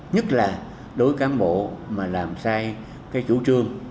nhất là đối cán bộ mà làm sai cái chủ trương